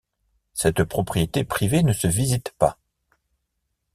Cette propriété privée ne se visite pas.